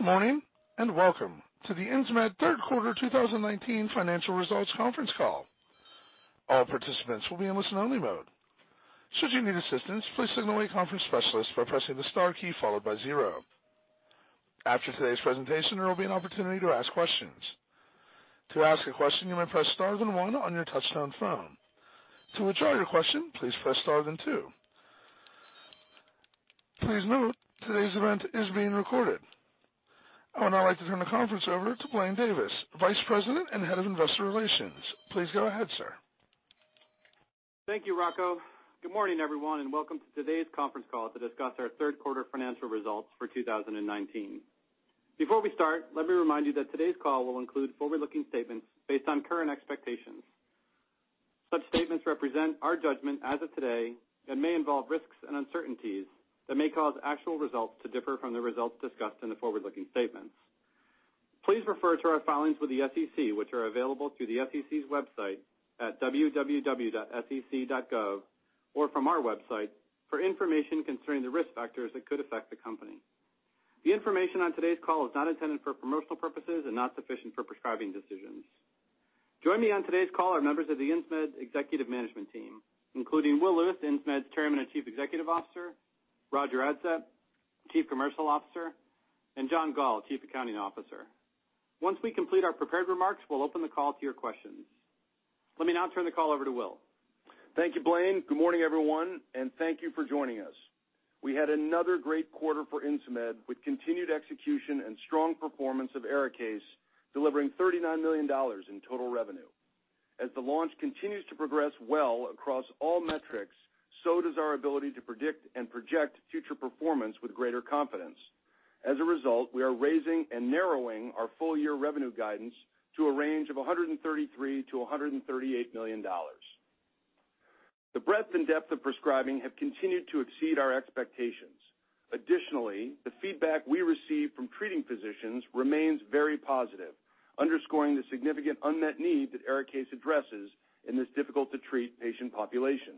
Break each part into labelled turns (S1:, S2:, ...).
S1: Good morning, and welcome to the Insmed third quarter 2019 financial results conference call. All participants will be in listen only mode. Should you need assistance, please signal a conference specialist by pressing the star key followed by zero. After today's presentation, there will be an opportunity to ask questions. To ask a question, you may press star then one on your touchtone phone. To withdraw your question, please press star then two. Please note today's event is being recorded. I would now like to turn the conference over to Blaine Davis, vice president and head of investor relations. Please go ahead, sir.
S2: Thank you, Rocco. Good morning, everyone, and welcome to today's conference call to discuss our third quarter financial results for 2019. Before we start, let me remind you that today's call will include forward-looking statements based on current expectations. Such statements represent our judgment as of today and may involve risks and uncertainties that may cause actual results to differ from the results discussed in the forward-looking statements. Please refer to our filings with the SEC, which are available through the SEC's website at www.sec.gov or from our website for information concerning the risk factors that could affect the company. The information on today's call is not intended for promotional purposes and not sufficient for prescribing decisions. Joining me on today's call are members of the Insmed executive management team, including Will Lewis, Insmed's Chairman and Chief Executive Officer, Roger Adsett, Chief Commercial Officer, and John Goll, Chief Accounting Officer. Once we complete our prepared remarks, we'll open the call to your questions. Let me now turn the call over to Will.
S3: Thank you, Blaine. Good morning, everyone. Thank you for joining us. We had another great quarter for Insmed with continued execution and strong performance of ARIKAYCE, delivering $39 million in total revenue. As the launch continues to progress well across all metrics, so does our ability to predict and project future performance with greater confidence. As a result, we are raising and narrowing our full year revenue guidance to a range of $133 million-$138 million. The breadth and depth of prescribing have continued to exceed our expectations. Additionally, the feedback we receive from treating physicians remains very positive, underscoring the significant unmet need that ARIKAYCE addresses in this difficult-to-treat patient population.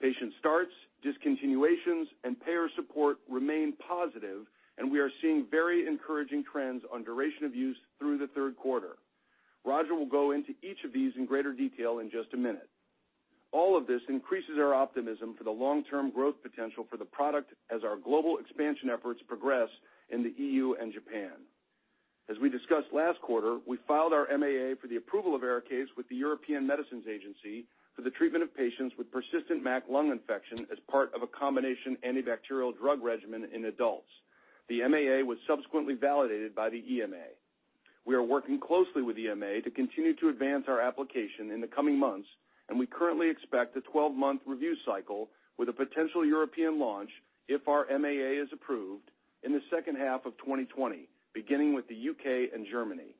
S3: Patient starts, discontinuations, and payer support remain positive. We are seeing very encouraging trends on duration of use through the third quarter. Roger will go into each of these in greater detail in just a minute. All of this increases our optimism for the long-term growth potential for the product as our global expansion efforts progress in the EU and Japan. As we discussed last quarter, we filed our MAA for the approval of Arikayce with the European Medicines Agency for the treatment of patients with persistent MAC lung infection as part of a combination antibacterial drug regimen in adults. The MAA was subsequently validated by the EMA. We are working closely with EMA to continue to advance our application in the coming months, and we currently expect a 12-month review cycle with a potential European launch if our MAA is approved in the second half of 2020, beginning with the U.K. and Germany.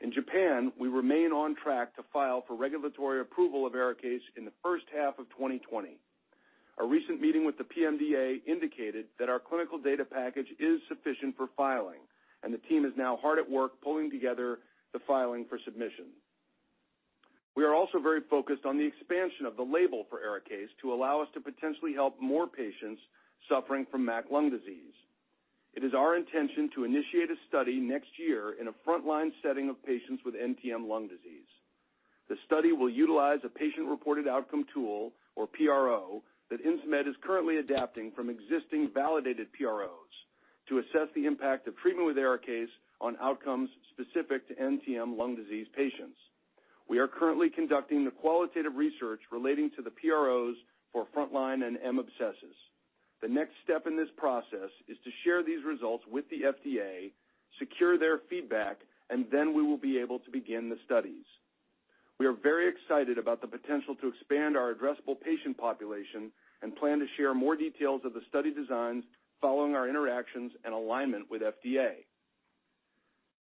S3: In Japan, we remain on track to file for regulatory approval of Arikayce in the first half of 2020. A recent meeting with the PMDA indicated that our clinical data package is sufficient for filing, and the team is now hard at work pulling together the filing for submission. We are also very focused on the expansion of the label for ARIKAYCE to allow us to potentially help more patients suffering from MAC lung disease. It is our intention to initiate a study next year in a frontline setting of patients with NTM lung disease. The study will utilize a patient-reported outcome tool, or PRO, that Insmed is currently adapting from existing validated PROs to assess the impact of treatment with ARIKAYCE on outcomes specific to NTM lung disease patients. We are currently conducting the qualitative research relating to the PROs for frontline and M. abscessus. The next step in this process is to share these results with the FDA, secure their feedback, and then we will be able to begin the studies. We are very excited about the potential to expand our addressable patient population and plan to share more details of the study designs following our interactions and alignment with FDA.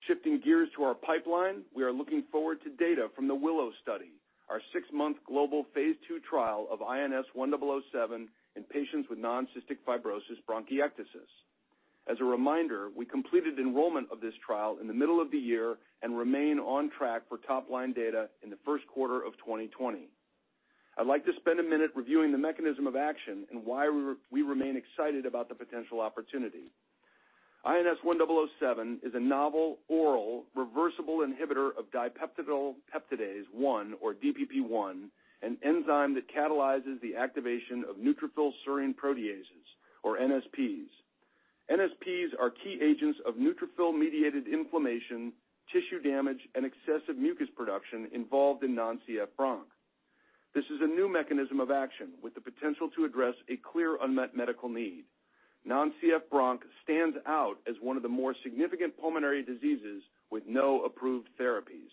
S3: Shifting gears to our pipeline, we are looking forward to data from the WILLOW study, our six-month global phase II trial of brensocatib in patients with non-cystic fibrosis bronchiectasis. As a reminder, we completed enrollment of this trial in the middle of the year and remain on track for top-line data in the first quarter of 2020. I'd like to spend a minute reviewing the mechanism of action and why we remain excited about the potential opportunity. brensocatib is a novel oral reversible inhibitor of dipeptidyl peptidase-1, or DPP1, an enzyme that catalyzes the activation of neutrophil serine proteases, or NSPs. NSPs are key agents of neutrophil-mediated inflammation, tissue damage, and excessive mucus production involved in non-CF bronchiectasis. This is a new mechanism of action with the potential to address a clear unmet medical need. Non-CF bronchiectasis stands out as one of the more significant pulmonary diseases with no approved therapies.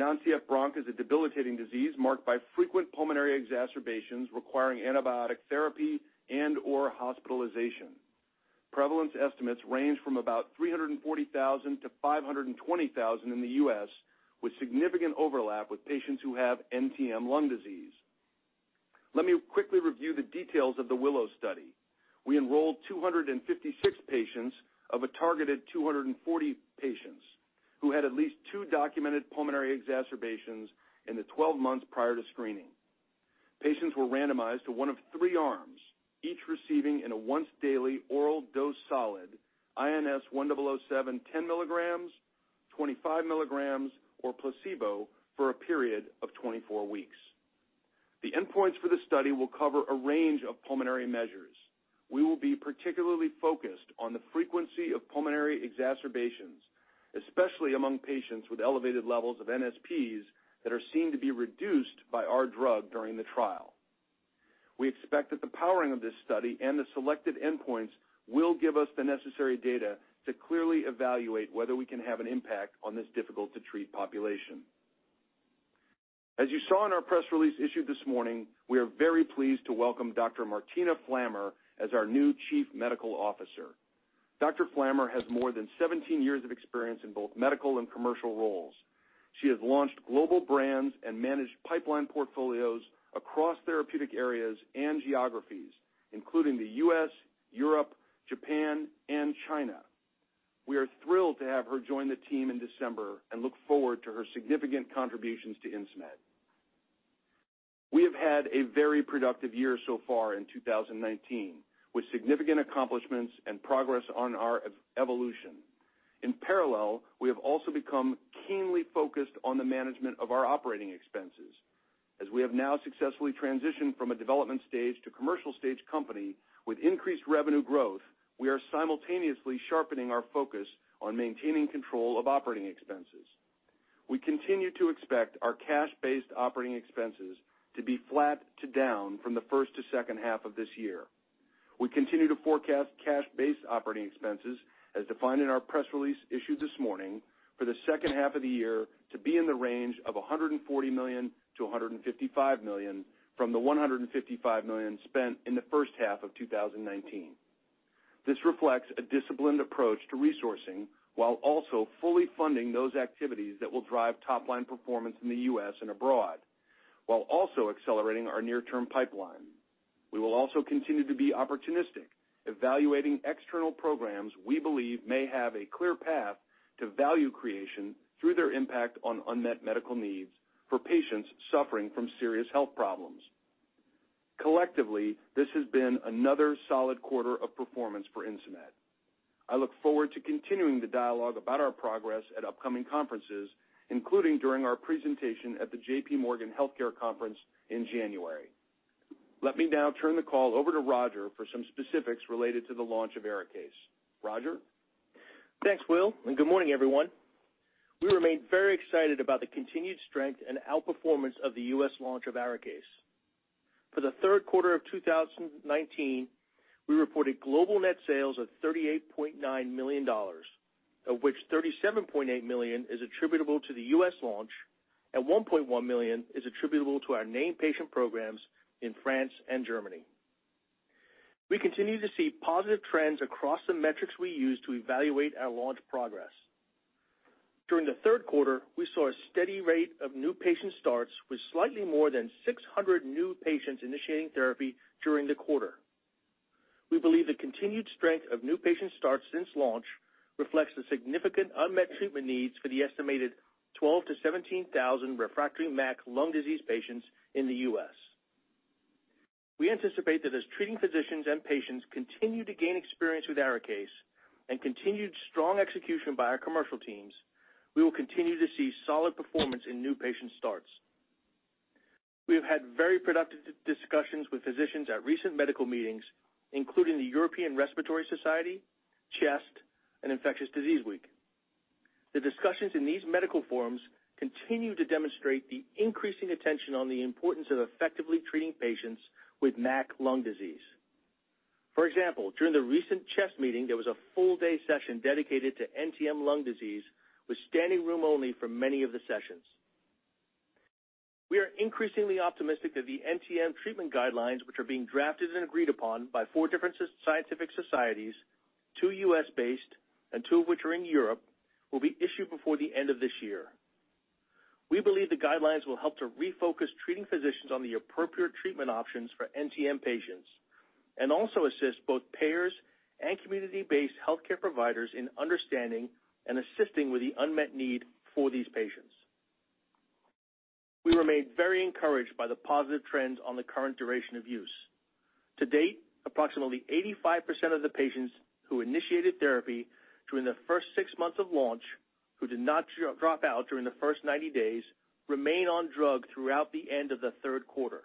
S3: Non-CF bronchiectasis is a debilitating disease marked by frequent pulmonary exacerbations requiring antibiotic therapy and/or hospitalization. Prevalence estimates range from about 340,000 to 520,000 in the U.S., with significant overlap with patients who have NTM lung disease. Let me quickly review the details of the WILLOW study. We enrolled 256 patients of a targeted 240 patients who had at least two documented pulmonary exacerbations in the 12 months prior to screening. Patients were randomized to one of three arms, each receiving in a once daily oral dose solid INS1007, 10 milligrams, 25 milligrams or placebo for a period of 24 weeks. The endpoints for the study will cover a range of pulmonary measures. We will be particularly focused on the frequency of pulmonary exacerbations, especially among patients with elevated levels of NSPs that are seen to be reduced by our drug during the trial. We expect that the powering of this study and the selected endpoints will give us the necessary data to clearly evaluate whether we can have an impact on this difficult to treat population. As you saw in our press release issued this morning, we are very pleased to welcome Dr. Martina Flammer as our new chief medical officer. Dr. Flammer has more than 17 years of experience in both medical and commercial roles. She has launched global brands and managed pipeline portfolios across therapeutic areas and geographies, including the U.S., Europe, Japan, and China. We are thrilled to have her join the team in December and look forward to her significant contributions to Insmed. We have had a very productive year so far in 2019 with significant accomplishments and progress on our evolution. In parallel, we have also become keenly focused on the management of our operating expenses. As we have now successfully transitioned from a development stage to commercial stage company with increased revenue growth, we are simultaneously sharpening our focus on maintaining control of operating expenses. We continue to expect our cash-based operating expenses to be flat to down from the first to second half of this year. We continue to forecast cash-based operating expenses as defined in our press release issued this morning for the second half of the year to be in the range of $140 million-$155 million from the $155 million spent in the first half of 2019. This reflects a disciplined approach to resourcing while also fully funding those activities that will drive top-line performance in the U.S. and abroad, while also accelerating our near-term pipeline. We will also continue to be opportunistic, evaluating external programs we believe may have a clear path to value creation through their impact on unmet medical needs for patients suffering from serious health problems. Collectively, this has been another solid quarter of performance for Insmed. I look forward to continuing the dialogue about our progress at upcoming conferences, including during our presentation at the J.P. Morgan Healthcare Conference in January. Let me now turn the call over to Roger for some specifics related to the launch of Arikayce. Roger?
S4: Thanks, Will, and good morning, everyone. We remain very excited about the continued strength and outperformance of the U.S. launch of Arikayce. For the third quarter of 2019, we reported global net sales of $38.9 million, of which $37.8 million is attributable to the U.S. launch, and $1.1 million is attributable to our named patient programs in France and Germany. We continue to see positive trends across the metrics we use to evaluate our launch progress. During the third quarter, we saw a steady rate of new patient starts with slightly more than 600 new patients initiating therapy during the quarter. We believe the continued strength of new patient starts since launch reflects the significant unmet treatment needs for the estimated 12,000-17,000 refractory MAC lung disease patients in the U.S. We anticipate that as treating physicians and patients continue to gain experience with ARIKAYCE and continued strong execution by our commercial teams, we will continue to see solid performance in new patient starts. We have had very productive discussions with physicians at recent medical meetings, including the European Respiratory Society, CHEST and Infectious Disease Week. The discussions in these medical forums continue to demonstrate the increasing attention on the importance of effectively treating patients with MAC lung disease. For example, during the recent CHEST meeting, there was a full day session dedicated to NTM lung disease with standing room only for many of the sessions. We are increasingly optimistic that the NTM treatment guidelines, which are being drafted and agreed upon by four different scientific societies, two U.S.-based and two of which are in Europe, will be issued before the end of this year. We believe the guidelines will help to refocus treating physicians on the appropriate treatment options for NTM patients and also assist both payers and community-based healthcare providers in understanding and assisting with the unmet need for these patients. We remain very encouraged by the positive trends on the current duration of use. To date, approximately 85% of the patients who initiated therapy during the first six months of launch who did not drop out during the first 90 days, remain on drug throughout the end of the third quarter.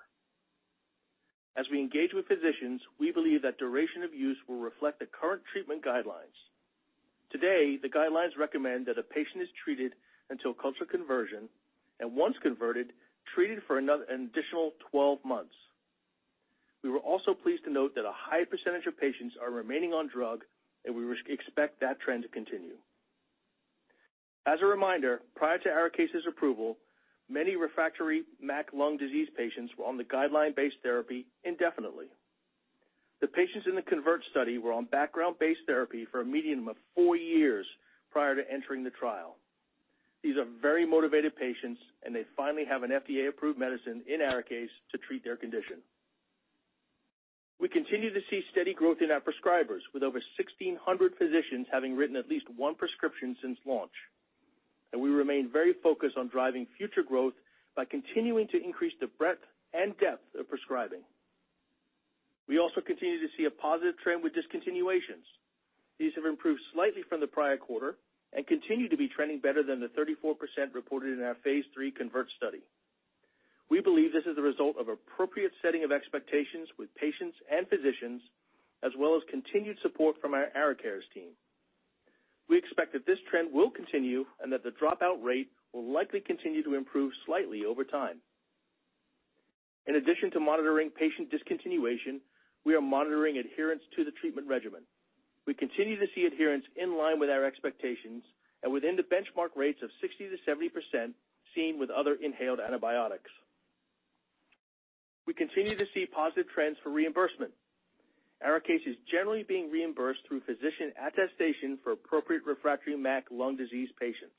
S4: As we engage with physicians, we believe that duration of use will reflect the current treatment guidelines. Today, the guidelines recommend that a patient is treated until culture conversion, and once converted, treated for an additional 12 months. We were also pleased to note that a high percentage of patients are remaining on drug, and we expect that trend to continue. As a reminder, prior to ARIKAYCE's approval, many refractory MAC lung disease patients were on the guideline base therapy indefinitely. The patients in the CONVERT study were on background-based therapy for a median of four years prior to entering the trial. These are very motivated patients, they finally have an FDA-approved medicine in ARIKAYCE to treat their condition. We continue to see steady growth in our prescribers, with over 1,600 physicians having written at least one prescription since launch. We remain very focused on driving future growth by continuing to increase the breadth and depth of prescribing. We also continue to see a positive trend with discontinuations. These have improved slightly from the prior quarter and continue to be trending better than the 34% reported in our phase III CONVERT study. We believe this is a result of appropriate setting of expectations with patients and physicians, as well as continued support from our ARIKAYCE team. We expect that this trend will continue and that the dropout rate will likely continue to improve slightly over time. In addition to monitoring patient discontinuation, we are monitoring adherence to the treatment regimen.
S3: We continue to see adherence in line with our expectations and within the benchmark rates of 60%-70% seen with other inhaled antibiotics. We continue to see positive trends for reimbursement. Arikayce is generally being reimbursed through physician attestation for appropriate refractory MAC lung disease patients,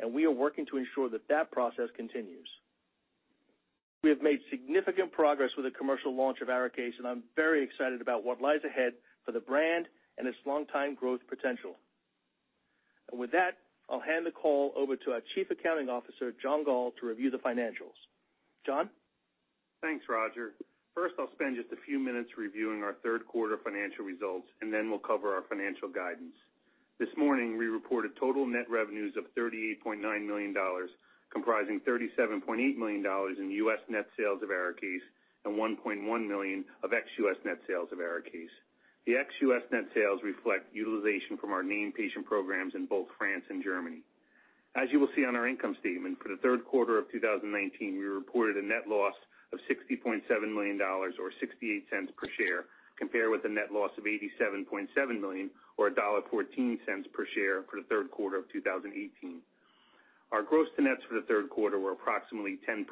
S3: and we are working to ensure that that process continues. We have made significant progress with the commercial launch of Arikayce, and I'm very excited about what lies ahead for the brand and its longtime growth potential. With that, I'll hand the call over to our Chief Accounting Officer, John Goll, to review the financials. John?
S5: Thanks, Roger. First, I'll spend just a few minutes reviewing our third quarter financial results, then we'll cover our financial guidance. This morning, we reported total net revenues of $38.9 million, comprising $37.8 million in U.S. net sales of Arikayce and $1.1 million of ex-U.S. net sales of Arikayce. The ex-U.S. net sales reflect utilization from our named patient programs in both France and Germany. As you will see on our income statement, for the third quarter of 2019, we reported a net loss of $60.7 million or $0.68 per share, compared with the net loss of $87.7 million or $1.14 per share for the third quarter of 2018. Our gross to nets for the third quarter were approximately 10%.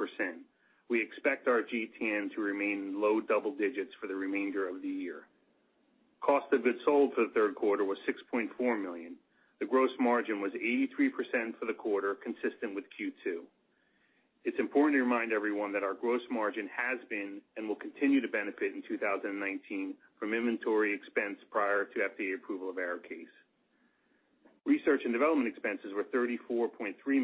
S5: We expect our GTN to remain low double digits for the remainder of the year. Cost of goods sold for the third quarter was $6.4 million. The gross margin was 83% for the quarter, consistent with Q2. It's important to remind everyone that our gross margin has been and will continue to benefit in 2019 from inventory expense prior to FDA approval of Arikayce. Research and development expenses were $34.3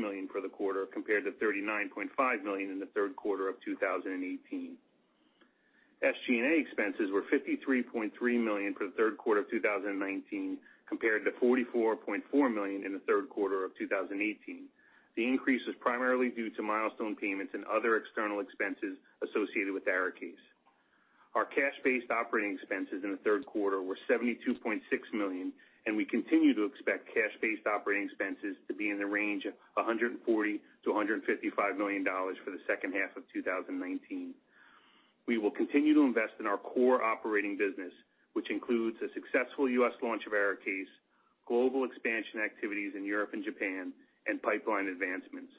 S5: million for the quarter, compared to $39.5 million in the third quarter of 2018. SG&A expenses were $53.3 million for the third quarter of 2019, compared to $44.4 million in the third quarter of 2018. The increase was primarily due to milestone payments and other external expenses associated with Arikayce. Our cash-based operating expenses in the third quarter were $72.6 million, and we continue to expect cash-based operating expenses to be in the range of $140 million-$155 million for the second half of 2019. We will continue to invest in our core operating business, which includes a successful U.S. launch of Arikayce, global expansion activities in Europe and Japan, and pipeline advancements.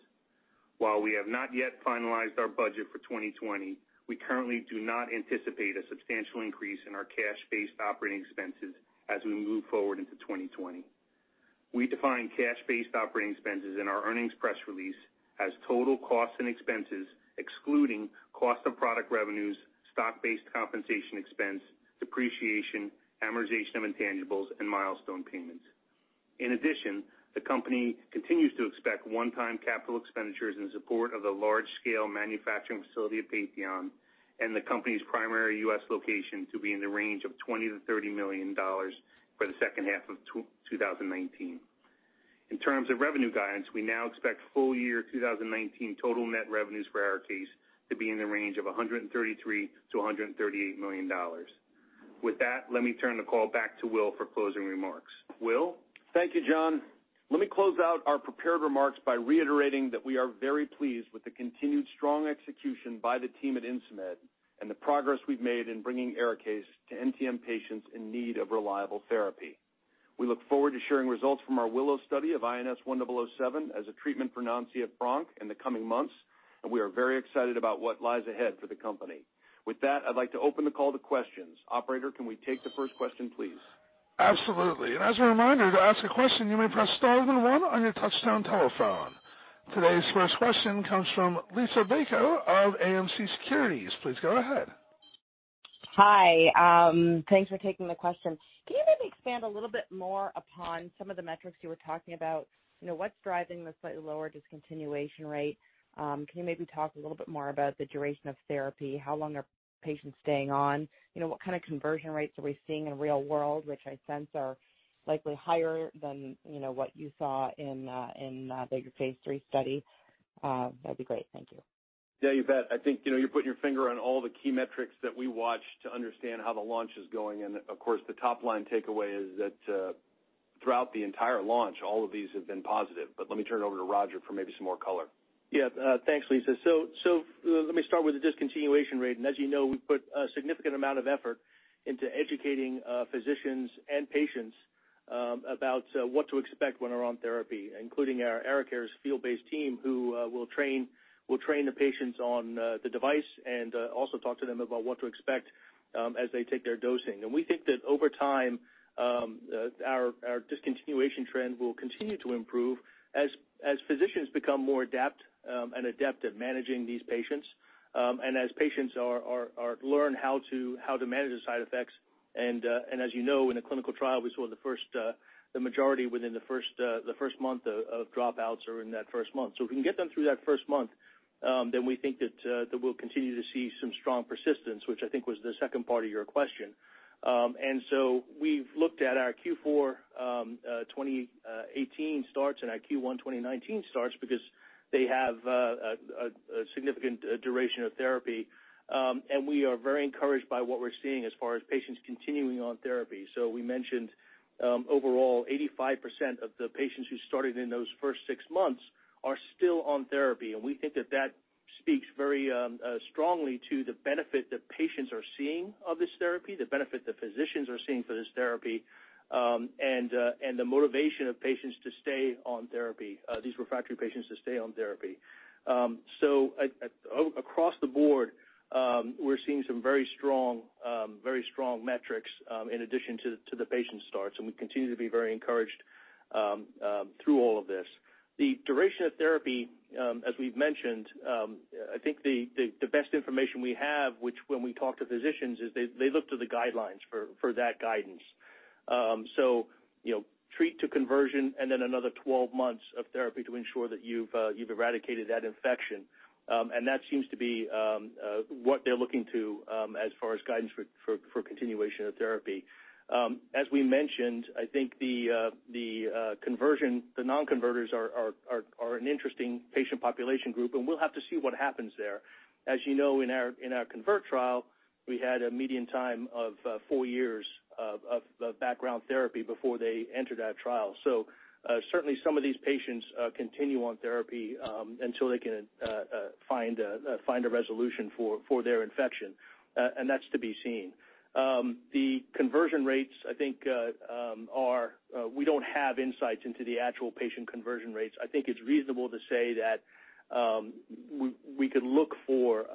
S5: While we have not yet finalized our budget for 2020, we currently do not anticipate a substantial increase in our cash-based operating expenses as we move forward into 2020. We define cash-based operating expenses in our earnings press release as total costs and expenses, excluding cost of product revenues, stock-based compensation expense, depreciation, amortization of intangibles, and milestone payments. In addition, the company continues to expect one-time capital expenditures in support of the large-scale manufacturing facility at Patheon and the company's primary U.S. location to be in the range of $20 million-$30 million for the second half of 2019. In terms of revenue guidance, we now expect full year 2019 total net revenues for Arikayce to be in the range of $133 million-$138 million. With that, let me turn the call back to Will for closing remarks. Will?
S3: Thank you, John. Let me close out our prepared remarks by reiterating that we are very pleased with the continued strong execution by the team at Insmed and the progress we've made in bringing Arikayce to NTM patients in need of reliable therapy. We look forward to sharing results from our WILLOW study of brensocatib as a treatment for non-CF bronchiectasis in the coming months, we are very excited about what lies ahead for the company. With that, I'd like to open the call to questions. Operator, can we take the first question, please?
S1: Absolutely. As a reminder, to ask a question, you may press star then one on your touchtone telephone. Today's first question comes from Lisa Baker of BofA Securities. Please go ahead.
S6: Hi. Thanks for taking the question. Can you maybe expand a little bit more upon some of the metrics you were talking about? What's driving the slightly lower discontinuation rate? Can you maybe talk a little bit more about the duration of therapy? How long are patients staying on? What kind of conversion rates are we seeing in real world, which I sense are likely higher than what you saw in the phase III study? That'd be great. Thank you.
S3: Yeah, you bet. I think you're putting your finger on all the key metrics that we watch to understand how the launch is going. Of course, the top-line takeaway is that throughout the entire launch, all of these have been positive. Let me turn it over to Roger for maybe some more color.
S4: Thanks, Lisa. Let me start with the discontinuation rate. As you know, we put a significant amount of effort into educating physicians and patients about what to expect when they're on therapy, including our Arikayce field-based team who will train the patients on the device and also talk to them about what to expect as they take their dosing. We think that over time, our discontinuation trend will continue to improve as physicians become more adept at managing these patients. As patients learn how to manage the side effects, as you know, in a clinical trial, we saw the majority within the first month of dropouts are in that first month. If we can get them through that first month, we think that we'll continue to see some strong persistence, which I think was the second part of your question. We've looked at our Q4 2018 starts and our Q1 2019 starts because they have a significant duration of therapy. We are very encouraged by what we're seeing as far as patients continuing on therapy. We mentioned overall, 85% of the patients who started in those first six months are still on therapy, and we think that that speaks very strongly to the benefit that patients are seeing of this therapy, the benefit that physicians are seeing for this therapy, and the motivation of patients to stay on therapy, these refractory patients to stay on therapy. Across the board, we're seeing some very strong metrics in addition to the patient starts, and we continue to be very encouraged through all of this. The duration of therapy, as we've mentioned, I think the best information we have, which when we talk to physicians, is they look to the guidelines for that guidance. Treat to conversion and then another 12 months of therapy to ensure that you've eradicated that infection. That seems to be what they're looking to as far as guidance for continuation of therapy. As we mentioned, I think the conversion, the non-converters are an interesting patient population group, and we'll have to see what happens there. As you know, in our CONVERT trial, we had a median time of four years of background therapy before they entered that trial. Certainly some of these patients continue on therapy until they can find a resolution for their infection. That's to be seen. The conversion rates, I think, we don't have insights into the actual patient conversion rates. I think it's reasonable to say that we could look for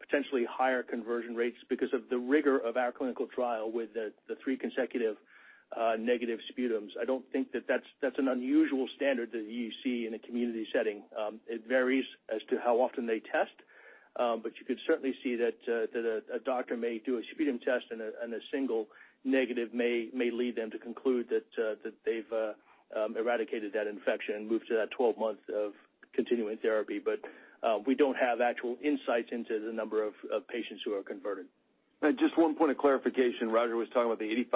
S4: potentially higher conversion rates because of the rigor of our clinical trial with the three consecutive negative sputum. I don't think that's an unusual standard that you see in a community setting. It varies as to how often they test. You could certainly see that a doctor may do a sputum test and a single negative may lead them to conclude that they've eradicated that infection and moved to that 12 months of continuing therapy. We don't have actual insights into the number of patients who are converted.
S3: Just one point of clarification. Roger was talking about the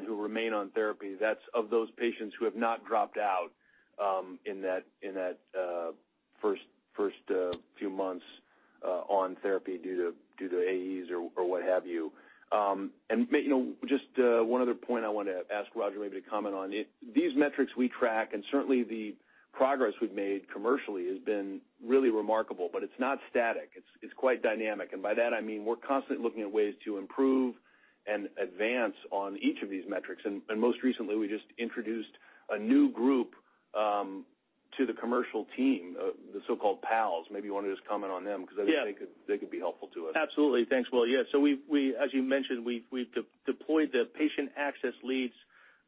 S3: 85% who remain on therapy. That's of those patients who have not dropped out in that first few months on therapy due to AEs or what have you. Just one other point I want to ask Roger maybe to comment on. These metrics we track, and certainly the progress we've made commercially has been really remarkable, but it's not static. It's quite dynamic. By that I mean we're constantly looking at ways to improve and advance on each of these metrics. Most recently, we just introduced a new group to the commercial team, the so-called PALs. Maybe you want to just comment on them because I think they could be helpful to us.
S4: Absolutely. Thanks, Will. Yeah, as you mentioned, we've deployed the Patient Access Leads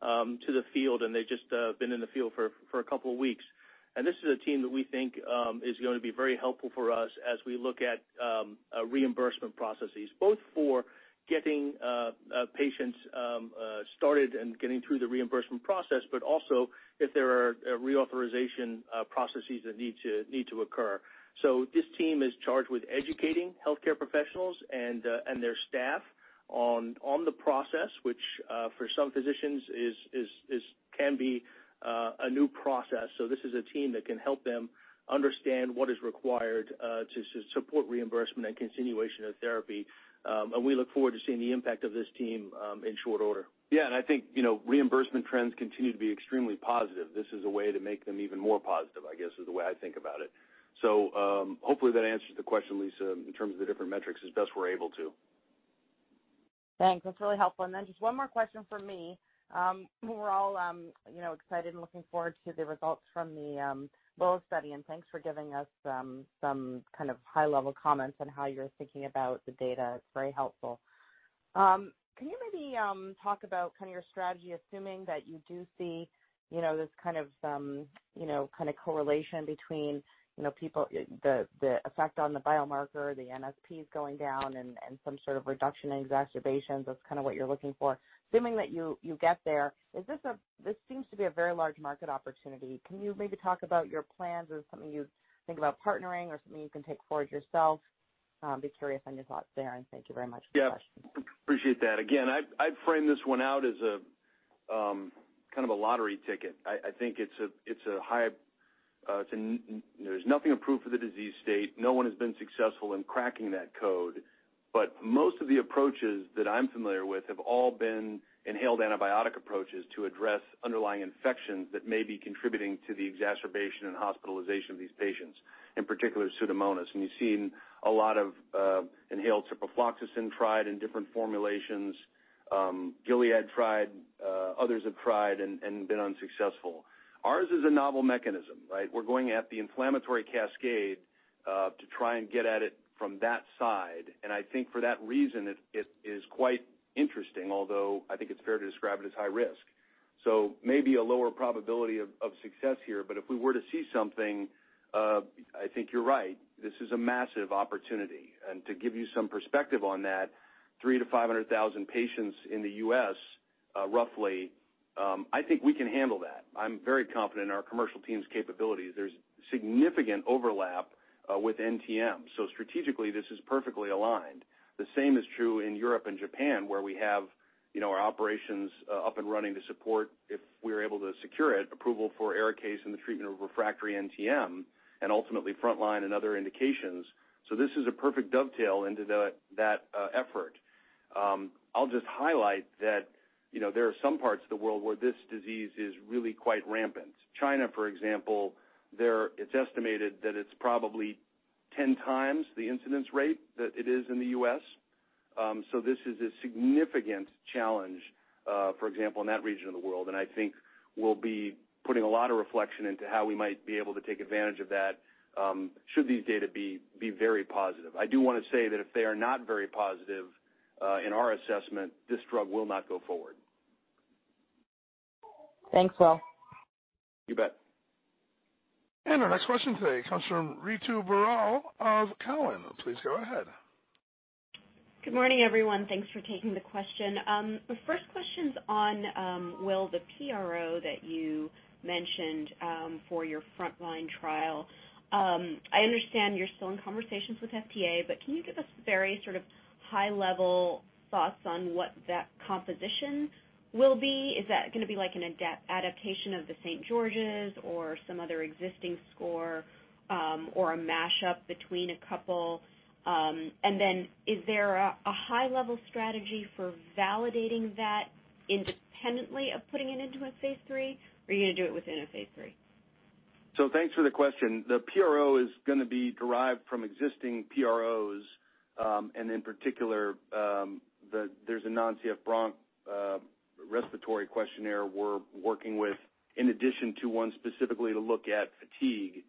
S4: to the field. They've just been in the field for a couple of weeks. This is a team that we think is going to be very helpful for us as we look at reimbursement processes, both for getting patients started and getting through the reimbursement process, but also if there are reauthorization processes that need to occur. This team is charged with educating healthcare professionals and their staff on the process, which for some physicians can be a new process. This is a team that can help them understand what is required to support reimbursement and continuation of therapy. We look forward to seeing the impact of this team in short order.
S3: Yeah, I think reimbursement trends continue to be extremely positive. This is a way to make them even more positive, I guess, is the way I think about it. Hopefully that answers the question, Lisa, in terms of the different metrics as best we're able to.
S6: Thanks. That's really helpful. Just one more question from me. We're all excited and looking forward to the results from the WILLOW study, and thanks for giving us some kind of high-level comments on how you're thinking about the data. It's very helpful. Can you maybe talk about your strategy, assuming that you do see this correlation between the effect on the biomarker, the NSPs going down, and some sort of reduction in exacerbations as what you're looking for? Assuming that you get there, this seems to be a very large market opportunity. Can you maybe talk about your plans as something you think about partnering or something you can take forward yourself? Be curious on your thoughts there. Thank you very much for the question.
S3: Yeah, appreciate that. Again, I'd frame this one out as a kind of a lottery ticket. I think there's nothing approved for the disease state. No one has been successful in cracking that code. Most of the approaches that I'm familiar with have all been inhaled antibiotic approaches to address underlying infections that may be contributing to the exacerbation and hospitalization of these patients, in particular Pseudomonas. You've seen a lot of inhaled ciprofloxacin tried in different formulations. Gilead tried, others have tried and been unsuccessful. Ours is a novel mechanism, right? We're going at the inflammatory cascade to try and get at it from that side. I think for that reason, it is quite interesting, although I think it's fair to describe it as high risk. Maybe a lower probability of success here, but if we were to see something, I think you're right, this is a massive opportunity. To give you some perspective on that, 300,000 to 500,000 patients in the U.S., roughly, I think we can handle that. I'm very confident in our commercial team's capabilities. There's significant overlap with NTM. Strategically, this is perfectly aligned. The same is true in Europe and Japan, where we have our operations up and running to support if we're able to secure it, approval for ARIKAYCE in the treatment of refractory NTM and ultimately frontline and other indications. This is a perfect dovetail into that effort. I'll just highlight that there are some parts of the world where this disease is really quite rampant. China, for example, it's estimated that it's probably 10 times the incidence rate that it is in the U.S. This is a significant challenge, for example, in that region of the world. I think we'll be putting a lot of reflection into how we might be able to take advantage of that should these data be very positive. I do want to say that if they are not very positive in our assessment, this drug will not go forward.
S6: Thanks, Will.
S3: You bet.
S1: Our next question today comes from Ritu Baral of Cowen. Please go ahead.
S7: Good morning, everyone. Thanks for taking the question. The first question's on, Will, the PRO that you mentioned for your frontline trial. I understand you're still in conversations with FDA, but can you give us very high-level thoughts on what that composition will be? Is that going to be like an adaptation of the St. George's or some other existing score or a mashup between a couple? Is there a high-level strategy for validating that independently of putting it into a phase III, or are you going to do it within a phase III?
S3: Thanks for the question. The PRO is going to be derived from existing PROs, and in particular, there's a non-CF bronch respiratory questionnaire we're working with in addition to one specifically to look at fatigue.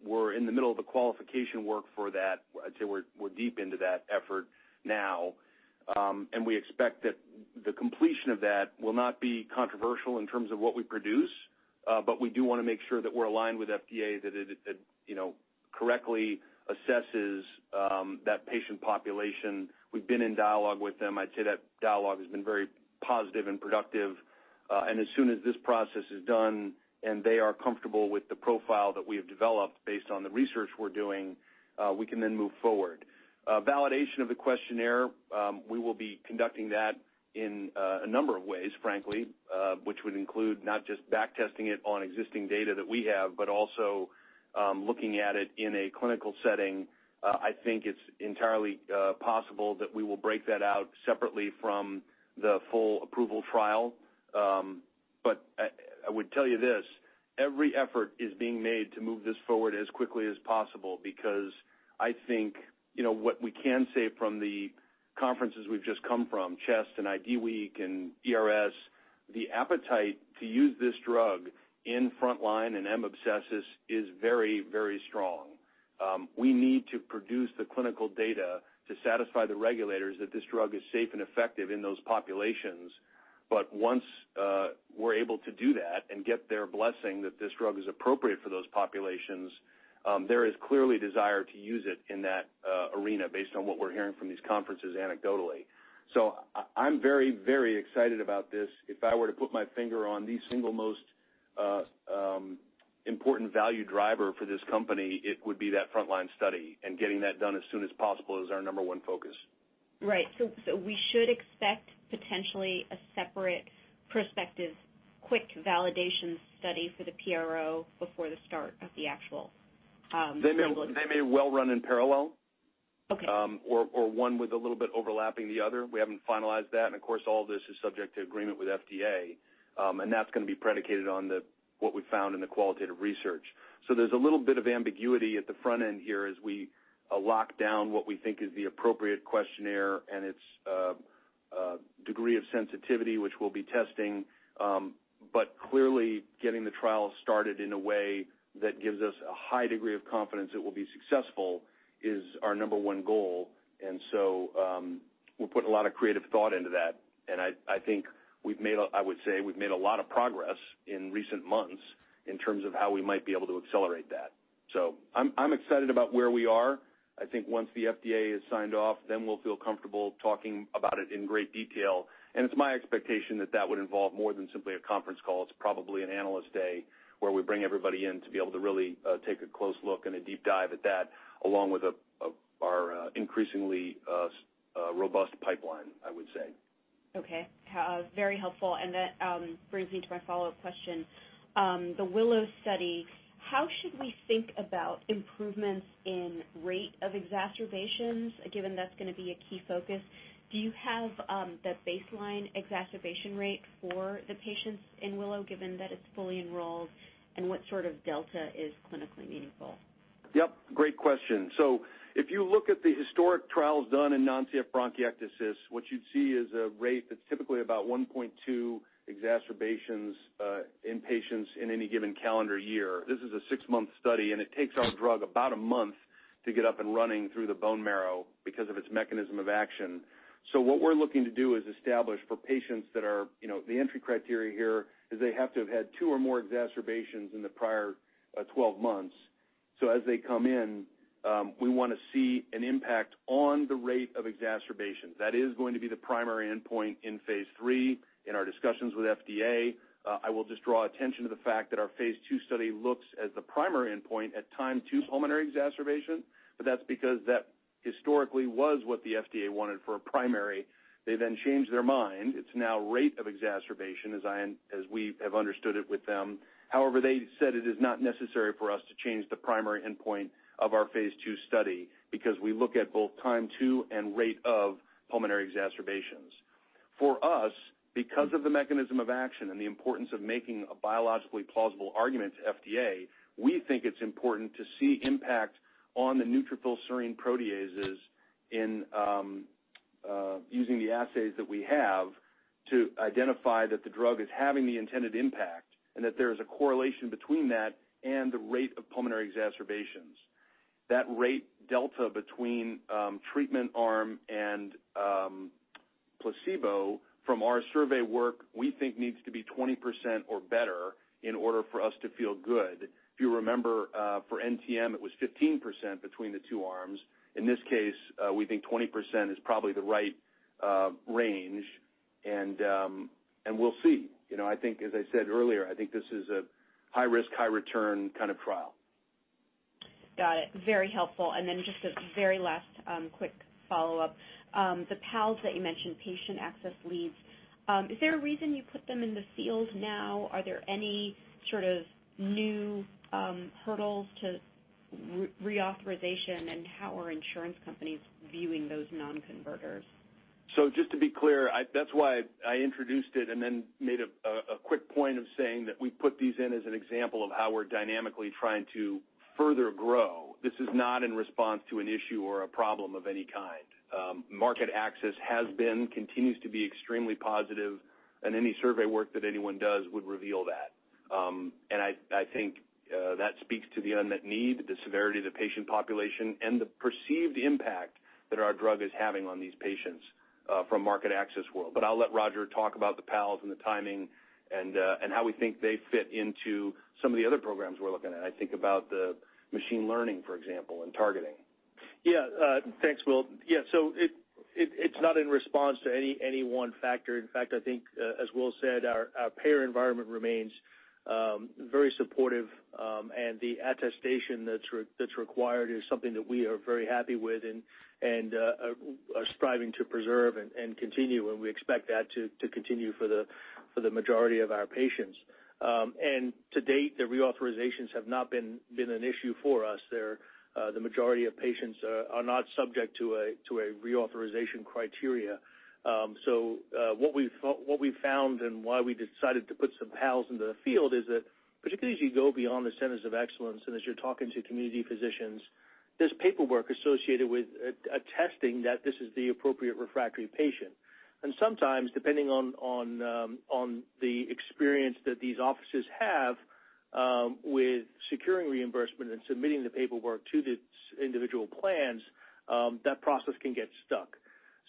S3: We're in the middle of the qualification work for that. I'd say we're deep into that effort now. We expect that the completion of that will not be controversial in terms of what we produce. We do want to make sure that we're aligned with FDA, that it correctly assesses that patient population. We've been in dialogue with them. I'd say that dialogue has been very positive and productive. As soon as this process is done and they are comfortable with the profile that we have developed based on the research we're doing, we can then move forward. Validation of the questionnaire, we will be conducting that in a number of ways, frankly, which would include not just back testing it on existing data that we have, but also looking at it in a clinical setting. I think it's entirely possible that we will break that out separately from the full approval trial. I would tell you this, every effort is being made to move this forward as quickly as possible because I think what we can say from the conferences we've just come from, CHEST and IDWeek and ERS, the appetite to use this drug in frontline and M. abscessus is very, very strong. We need to produce the clinical data to satisfy the regulators that this drug is safe and effective in those populations. Once we're able to do that and get their blessing that this drug is appropriate for those populations, there is clearly desire to use it in that arena based on what we're hearing from these conferences anecdotally. I'm very, very excited about this. If I were to put my finger on the single most important value driver for this company, it would be that frontline study, and getting that done as soon as possible is our number one focus.
S7: Right. We should expect potentially a separate prospective quick validation study for the PRO before the start of the actual.
S3: They may well run in parallel.
S7: Okay.
S3: One with a little bit overlapping the other. We haven't finalized that. Of course, all this is subject to agreement with FDA. That's going to be predicated on what we found in the qualitative research. There's a little bit of ambiguity at the front end here as we lock down what we think is the appropriate questionnaire and its degree of sensitivity, which we'll be testing. Clearly getting the trial started in a way that gives us a high degree of confidence it will be successful is our number one goal. We're putting a lot of creative thought into that. I think I would say we've made a lot of progress in recent months in terms of how we might be able to accelerate that. I'm excited about where we are. I think once the FDA has signed off, then we'll feel comfortable talking about it in great detail. It's my expectation that that would involve more than simply a conference call. It's probably an analyst day where we bring everybody in to be able to really take a close look and a deep dive at that along with our increasingly robust pipeline, I would say.
S7: Okay. Very helpful. That brings me to my follow-up question. The WILLOW study, how should we think about improvements in rate of exacerbations, given that's going to be a key focus? Do you have the baseline exacerbation rate for the patients in WILLOW, given that it's fully enrolled? What sort of delta is clinically meaningful?
S3: Yep, great question. If you look at the historic trials done in non-CF bronchiectasis, what you'd see is a rate that's typically about 1.2 exacerbations in patients in any given calendar year. This is a 6-month study, and it takes our drug about 1 month to get up and running through the bone marrow because of its mechanism of action. What we're looking to do is establish for patients that are the entry criteria here is they have to have had 2 or more exacerbations in the prior 12 months. As they come in, we want to see an impact on the rate of exacerbations. That is going to be the primary endpoint in phase III in our discussions with FDA. I will just draw attention to the fact that our phase II study looks at the primary endpoint at time to pulmonary exacerbation. That's because that historically was what the FDA wanted for a primary. They changed their mind. It's now rate of exacerbation as we have understood it with them. They said it is not necessary for us to change the primary endpoint of our phase II study because we look at both time to and rate of pulmonary exacerbations. Because of the mechanism of action and the importance of making a biologically plausible argument to FDA, we think it's important to see impact on the Neutrophil Serine Proteases in using the assays that we have to identify that the drug is having the intended impact and that there is a correlation between that and the rate of pulmonary exacerbations. That rate delta between treatment arm and placebo from our survey work we think needs to be 20% or better in order for us to feel good. If you remember, for NTM it was 15% between the two arms. In this case, we think 20% is probably the right range and we'll see. I think as I said earlier, I think this is a high risk, high return kind of phase III trial.
S7: Got it. Very helpful. Just a very last quick follow-up. The PALs that you mentioned, Patient Access Leads, is there a reason you put them in the field now? Are there any sort of new hurdles to reauthorization and how are insurance companies viewing those non-converters?
S3: Just to be clear, that's why I introduced it and then made a quick point of saying that we put these in as an example of how we're dynamically trying to further grow. This is not in response to an issue or a problem of any kind. Market access has been, continues to be extremely positive and any survey work that anyone does would reveal that. I think that speaks to the unmet need, the severity of the patient population, and the perceived impact that our drug is having on these patients from market access world. I'll let Roger talk about the PALs and the timing and how we think they fit into some of the other programs we're looking at. I think about the machine learning, for example, and targeting.
S4: Yeah. Thanks, Will. Yeah, it's not in response to any one factor. In fact, I think as Will said, our payer environment remains very supportive, the attestation that's required is something that we are very happy with and are striving to preserve and continue when we expect that to continue for the majority of our patients. To date, the reauthorizations have not been an issue for us. The majority of patients are not subject to a reauthorization criteria. What we've found and why we decided to put some PALs into the field is that particularly as you go beyond the centers of excellence and as you're talking to community physicians, there's paperwork associated with attesting that this is the appropriate refractory patient. Sometimes depending on the experience that these offices have with securing reimbursement and submitting the paperwork to the individual plans, that process can get stuck.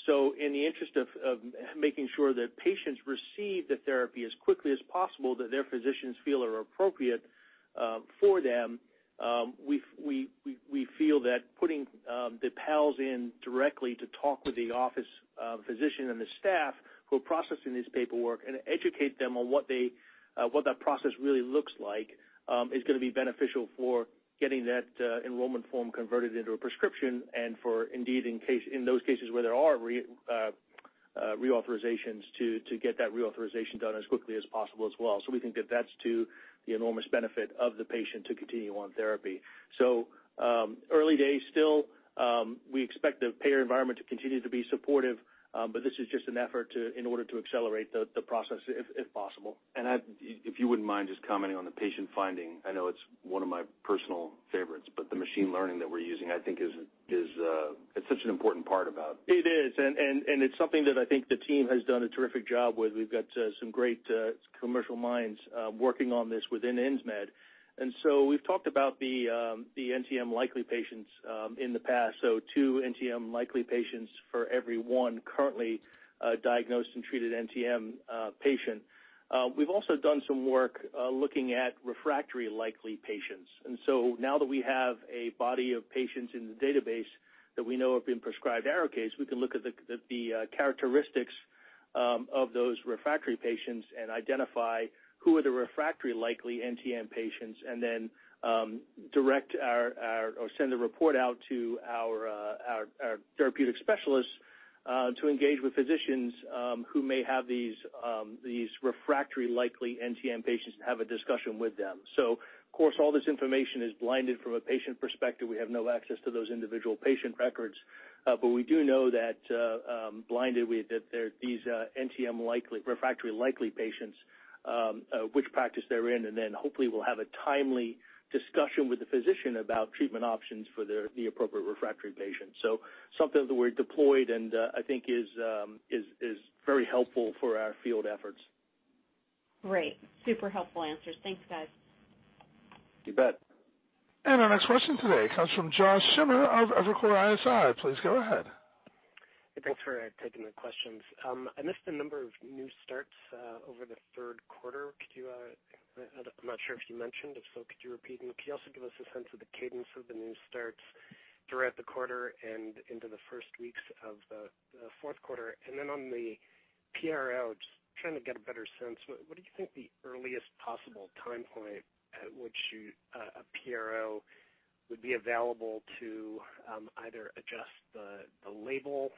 S4: In the interest of making sure that patients receive the therapy as quickly as possible that their physicians feel are appropriate for them, we feel that putting the PALs in directly to talk with the office physician and the staff who are processing this paperwork and educate them on what that process really looks like is going to be beneficial for getting that enrollment form converted into a prescription and for indeed in those cases where there are reauthorizations to get that reauthorization done as quickly as possible as well. We think that that's to the enormous benefit of the patient to continue on therapy. Early days still. We expect the payer environment to continue to be supportive, but this is just an effort in order to accelerate the process if possible.
S3: If you wouldn't mind just commenting on the patient finding. I know it's one of my personal favorites, but the machine learning that we're using I think it's such an important part.
S4: It is and it's something that I think the team has done a terrific job with. We've got some great commercial minds working on this within Insmed. We've talked about the NTM likely patients in the past. Two NTM likely patients for every one currently diagnosed and treated NTM patient. We've also done some work looking at refractory likely patients. Now that we have a body of patients in the database that we know have been prescribed Arikayce, we can look at the characteristics of those refractory patients and identify who are the refractory likely NTM patients and then direct our or send a report out to our therapeutic specialists to engage with physicians who may have these refractory likely NTM patients to have a discussion with them. Of course, all this information is blinded from a patient perspective. We have no access to those individual patient records. We do know that blinded with these refractory likely patients, which practice they're in and then hopefully we'll have a timely discussion with the physician about treatment options for the appropriate refractory patient. Something that we're deployed and I think is very helpful for our field efforts.
S7: Great. Super helpful answers. Thanks, guys.
S3: You bet.
S1: Our next question today comes from Josh Schimmer of Evercore ISI. Please go ahead.
S8: Thanks for taking the questions. I missed the number of new starts over the third quarter. I'm not sure if you mentioned, if so, could you repeat them? Could you also give us a sense of the cadence of the new starts throughout the quarter and into the first weeks of the fourth quarter? On the PRO, just trying to get a better sense, what do you think the earliest possible time point at which a PRO would be available to either adjust the label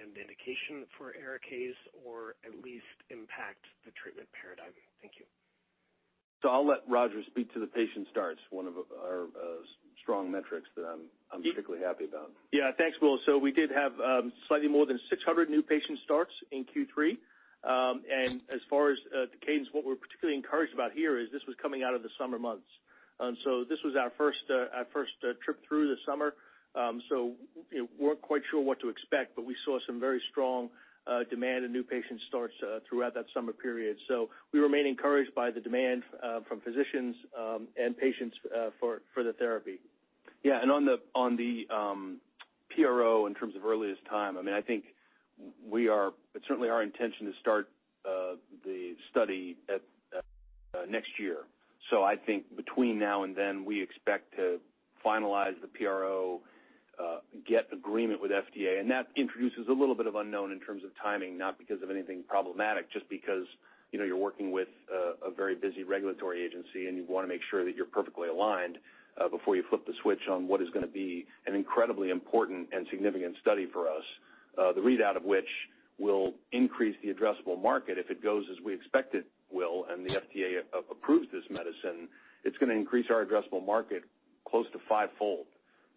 S8: and indication for ARIKAYCE or at least impact the treatment paradigm? Thank you.
S3: I'll let Roger speak to the patient starts, one of our strong metrics that I'm particularly happy about.
S4: Yeah, thanks, Will. We did have slightly more than 600 new patient starts in Q3. As far as the cadence, what we're particularly encouraged about here is this was coming out of the summer months. This was our first trip through the summer. We weren't quite sure what to expect, but we saw some very strong demand in new patient starts throughout that summer period. We remain encouraged by the demand from physicians and patients for the therapy.
S3: Yeah, on the PRO in terms of earliest time, I think it's certainly our intention to start the study next year. I think between now and then, we expect to finalize the PRO, get agreement with FDA, and that introduces a little bit of unknown in terms of timing, not because of anything problematic. Just because you're working with a very busy regulatory agency, and you want to make sure that you're perfectly aligned before you flip the switch on what is going to be an incredibly important and significant study for us. The readout of which will increase the addressable market if it goes as we expect it will, and the FDA approves this medicine. It's going to increase our addressable market close to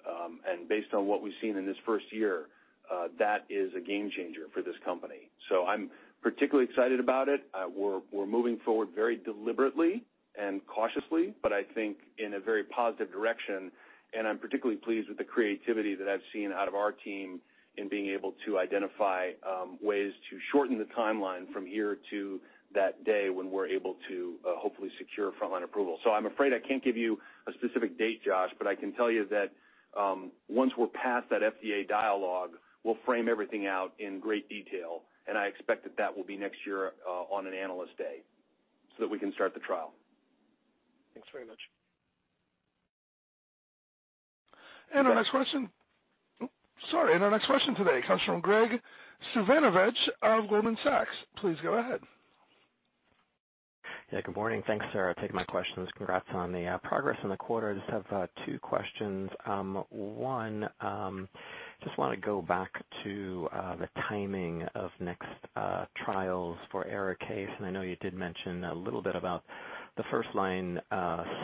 S3: fivefold. Based on what we've seen in this first year, that is a game changer for this company. I'm particularly excited about it. We're moving forward very deliberately and cautiously, but I think in a very positive direction. I'm particularly pleased with the creativity that I've seen out of our team in being able to identify ways to shorten the timeline from here to that day when we're able to hopefully secure frontline approval. I'm afraid I can't give you a specific date, Josh, but I can tell you that once we're past that FDA dialogue, we'll frame everything out in great detail, and I expect that that will be next year on an analyst day so that we can start the trial.
S8: Thanks very much.
S1: Our next question today comes from Graig Suvannavejh of Goldman Sachs. Please go ahead.
S9: Yeah, good morning. Thanks for taking my questions. Congrats on the progress in the quarter. I just have two questions. One, just want to go back to the timing of next trials for Arikayce. I know you did mention a little bit about the first-line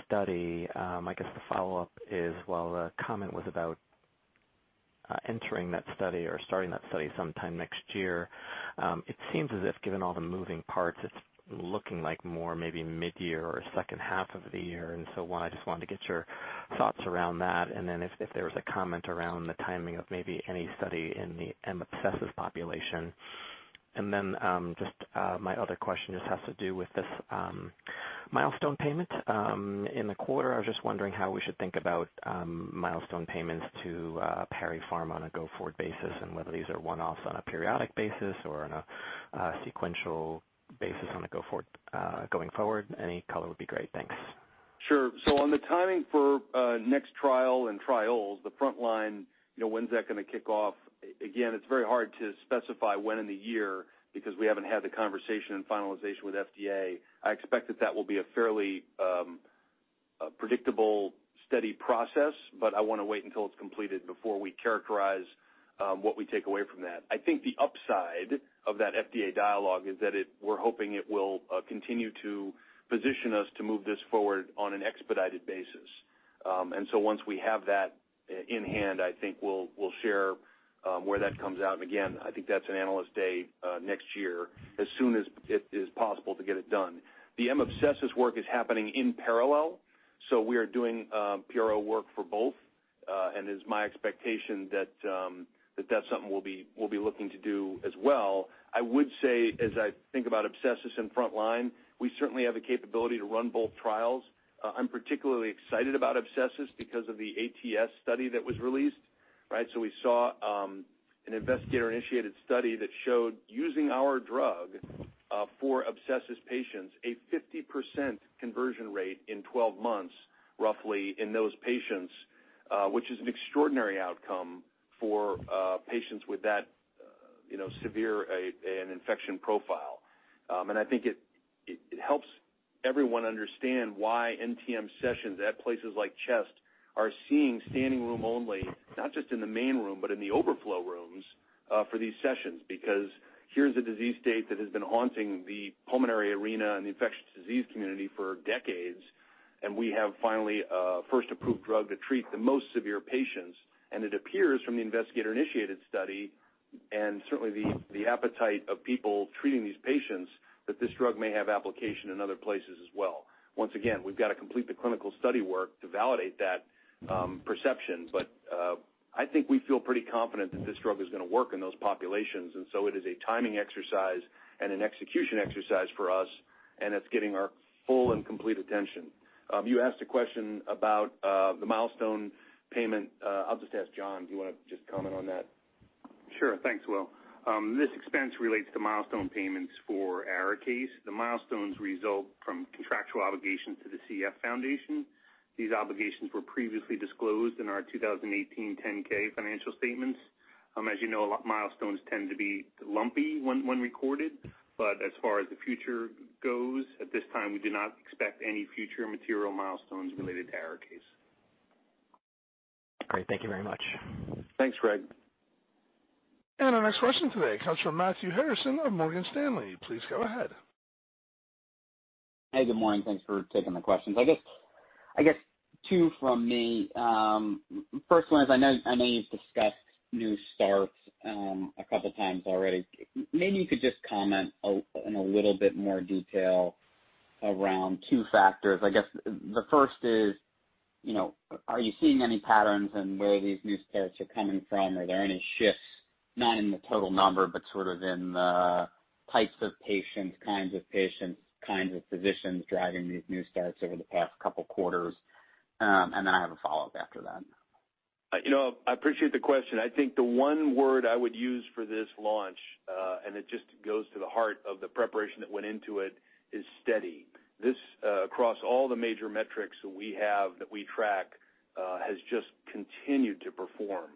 S9: study. I guess the follow-up is, while the comment was about entering that study or starting that study sometime next year, it seems as if given all the moving parts, it's looking like more maybe mid-year or second half of the year. One, I just wanted to get your thoughts around that and then if there was a comment around the timing of maybe any study in the [MOPSIS] population. Just my other question just has to do with this milestone payment in the quarter. I was just wondering how we should think about milestone payments to PARI Pharma on a go-forward basis and whether these are one-offs on a periodic basis or on a sequential basis going forward. Any color would be great. Thanks.
S3: Sure. On the timing for next trial and trials, the frontline, when's that going to kick off? Again, it's very hard to specify when in the year because we haven't had the conversation and finalization with FDA. I expect that that will be a fairly predictable, steady process, but I want to wait until it's completed before we characterize what we take away from that. I think the upside of that FDA dialogue is that we're hoping it will continue to position us to move this forward on an expedited basis. Once we have that in hand, I think we'll share where that comes out. Again, I think that's an analyst day next year as soon as it is possible to get it done. The MOPSIS work is happening in parallel. We are doing PRO work for both. It's my expectation that's something we'll be looking to do as well. I would say as I think about MOPSIS in frontline, we certainly have the capability to run both trials. I'm particularly excited about MOPSIS because of the ATS study that was released, right? We saw an investigator-initiated study that showed using our drug for MOPSIS patients, a 50% conversion rate in 12 months roughly in those patients, which is an extraordinary outcome for patients with that severe an infection profile. I think it helps everyone understand why NTM sessions at places like CHEST are seeing standing room only, not just in the main room, but in the overflow rooms for these sessions. Here's a disease state that has been haunting the pulmonary arena and the infectious disease community for decades. We have finally a first approved drug to treat the most severe patients. It appears from the investigator-initiated study and certainly the appetite of people treating these patients, that this drug may have application in other places as well. Once again, we've got to complete the clinical study work to validate that perception. I think we feel pretty confident that this drug is going to work in those populations. It is a timing exercise and an execution exercise for us. It is getting our full and complete attention. You asked a question about the milestone payment. I'll just ask John, do you want to just comment on that?
S5: Sure. Thanks, Will. This expense relates to milestone payments for ARIKAYCE. The milestones result from contractual obligations to the CF Foundation. These obligations were previously disclosed in our 2018 10-K financial statements. As you know, milestones tend to be lumpy when recorded, but as far as the future goes, at this time, we do not expect any future material milestones related to ARIKAYCE.
S9: Great. Thank you very much.
S5: Thanks, Graig.
S1: Our next question today comes from Matthew Harrison of Morgan Stanley. Please go ahead.
S10: Hey, good morning. Thanks for taking the questions. I guess two from me. First one is, I know you've discussed new starts a couple times already. Maybe you could just comment in a little bit more detail around two factors. I guess the first is, are you seeing any patterns in where these new starts are coming from? Are there any shifts, not in the total number, but sort of in the types of patients, kinds of patients, kinds of physicians driving these new starts over the past couple quarters? I have a follow-up after that.
S3: I appreciate the question. I think the one word I would use for this launch, and it just goes to the heart of the preparation that went into it, is steady. This, across all the major metrics that we have, that we track has just continued to perform.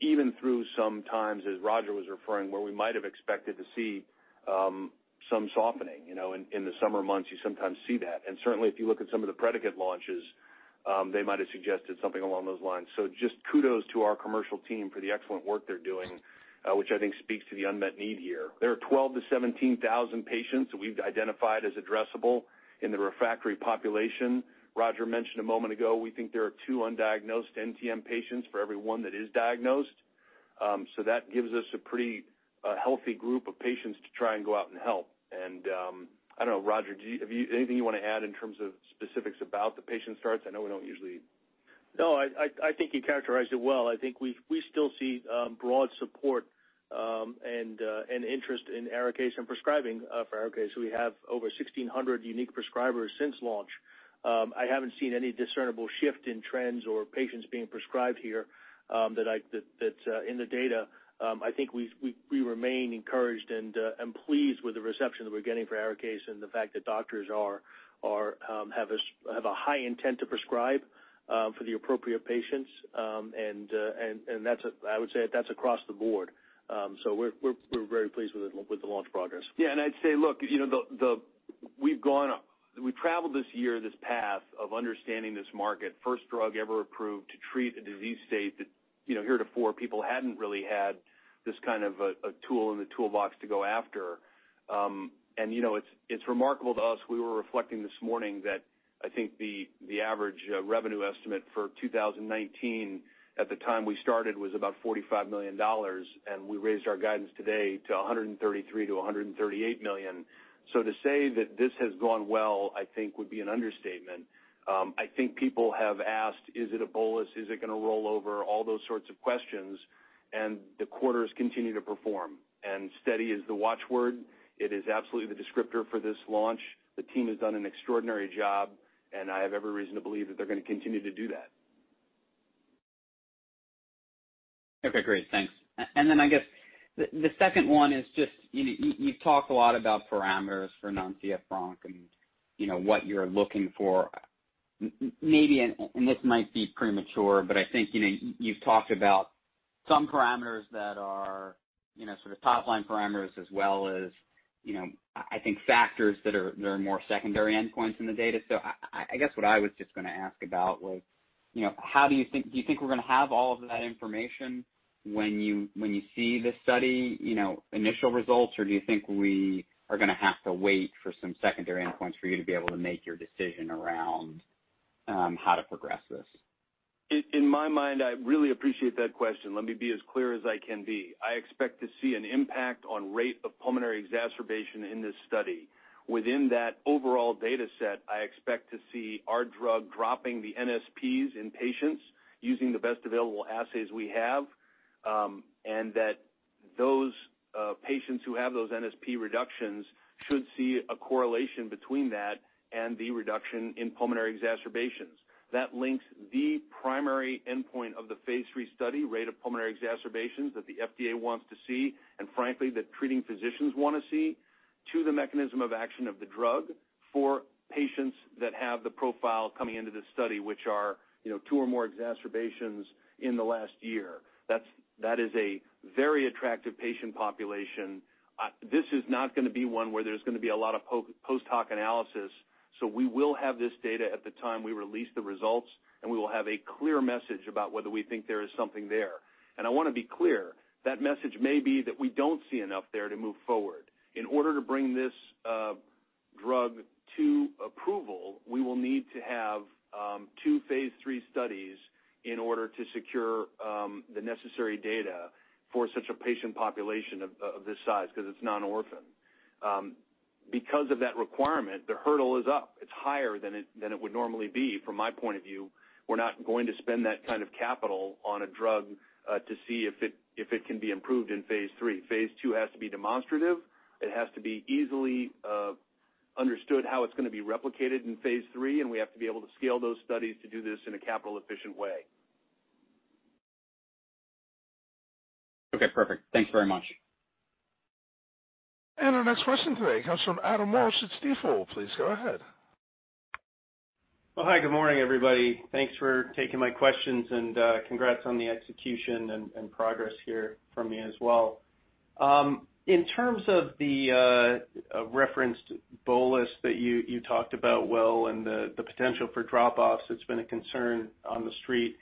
S3: Even through some times, as Roger was referring, where we might have expected to see some softening. In the summer months, you sometimes see that. Certainly, if you look at some of the predicate launches, they might have suggested something along those lines. Just kudos to our commercial team for the excellent work they're doing, which I think speaks to the unmet need here. There are 12,000-17,000 patients that we've identified as addressable in the refractory population. Roger mentioned a moment ago, we think there are two undiagnosed NTM patients for every one that is diagnosed. That gives us a pretty healthy group of patients to try and go out and help. I don't know, Roger, anything you want to add in terms of specifics about the patient starts? I know we don't usually.
S4: No, I think you characterized it well. I think we still see broad support and interest in Arikayce and prescribing for Arikayce. We have over 1,600 unique prescribers since launch. I haven't seen any discernible shift in trends or patients being prescribed here that's in the data. I think we remain encouraged and pleased with the reception that we're getting for Arikayce and the fact that doctors have a high intent to prescribe for the appropriate patients, and I would say that's across the board. We're very pleased with the launch progress.
S3: I'd say, look, we've traveled this year, this path of understanding this market. First drug ever approved to treat a disease state that heretofore people hadn't really had this kind of a tool in the toolbox to go after. It's remarkable to us. We were reflecting this morning that I think the average revenue estimate for 2019 at the time we started was about $45 million, we raised our guidance today to $133 million-$138 million. To say that this has gone well, I think would be an understatement. I think people have asked, "Is it a bolus? Is it going to roll over?" All those sorts of questions, the quarters continue to perform. Steady is the watch word. It is absolutely the descriptor for this launch. The team has done an extraordinary job, and I have every reason to believe that they're going to continue to do that.
S10: Okay, great. Thanks. I guess the second one is just, you've talked a lot about parameters for non-CF bronc and what you're looking for. Maybe, and this might be premature, but I think you've talked about some parameters that are sort of top-line parameters as well as I think factors that are more secondary endpoints in the data. I guess what I was just going to ask about was, do you think we're going to have all of that information when you see the study initial results? Or do you think we are going to have to wait for some secondary endpoints for you to be able to make your decision around how to progress this?
S3: In my mind, I really appreciate that question. Let me be as clear as I can be. I expect to see an impact on rate of pulmonary exacerbation in this study. Within that overall data set, I expect to see our drug dropping the NSPs in patients using the best available assays we have, and that those patients who have those NSP reductions should see a correlation between that and the reduction in pulmonary exacerbations. That links the primary endpoint of the phase III study, rate of pulmonary exacerbations that the FDA wants to see, and frankly, that treating physicians want to see, to the mechanism of action of the drug for patients that have the profile coming into this study, which are two or more exacerbations in the last year. That is a very attractive patient population. This is not going to be one where there's going to be a lot of post-hoc analysis. We will have this data at the time we release the results, and we will have a clear message about whether we think there is something there. I want to be clear, that message may be that we don't see enough there to move forward. In order to bring this drug to approval, we will need to have two phase III studies in order to secure the necessary data for such a patient population of this size, because it's non-orphan. Because of that requirement, the hurdle is up. It's higher than it would normally be from my point of view. We're not going to spend that kind of capital on a drug to see if it can be improved in phase III. phase II has to be demonstrative. It has to be easily Understood how it's going to be replicated in phase III. We have to be able to scale those studies to do this in a capital efficient way.
S10: Okay, perfect. Thanks very much.
S1: Our next question today comes from Adam Walsh at Stifel. Please go ahead.
S11: Well, hi, good morning, everybody. Thanks for taking my questions and congrats on the execution and progress here from me as well. In terms of the referenced bolus that you talked about, Will, and the potential for drop-offs, it's been a concern on the street.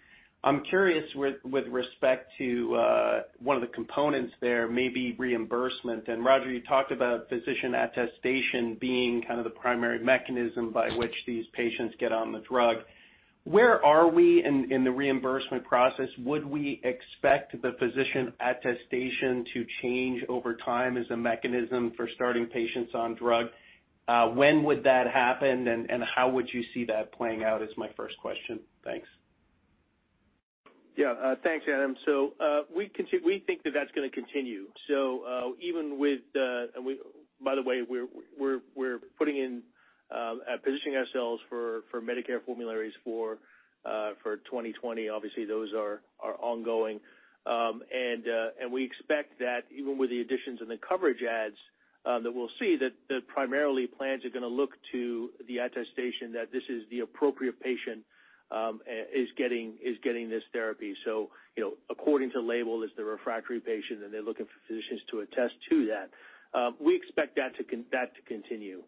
S11: I'm curious with respect to one of the components there may be reimbursement. Roger, you talked about physician attestation being kind of the primary mechanism by which these patients get on the drug. Where are we in the reimbursement process? Would we expect the physician attestation to change over time as a mechanism for starting patients on drug? When would that happen and how would you see that playing out, is my first question. Thanks.
S4: Thanks, Adam. We think that's going to continue. By the way, we're positioning ourselves for Medicare formularies for 2020. Obviously, those are ongoing. We expect that even with the additions and the coverage adds, that we'll see that primarily plans are going to look to the attestation that this is the appropriate patient is getting this therapy. According to label, is the refractory patient and they're looking for physicians to attest to that. We expect that to continue.